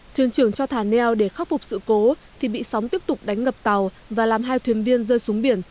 thuyền trưởng cho thả neo để khắc phục sự cố thì bị sóng tiếp tục đánh ngập tàu và làm hai thuyền viên rơi xuống biển